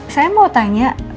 saya mau tanya